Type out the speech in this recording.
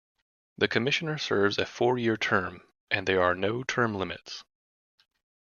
The commissioner serves a four-year term, and there are no term limits.